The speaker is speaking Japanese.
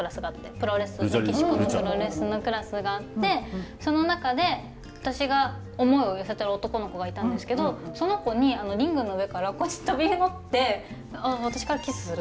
プロレスメキシコのプロレスのクラスがあってその中で私が思いを寄せてる男の子がいたんですけどその子にリングの上から飛び乗って私からキスするっていうシーンがあったんですよ。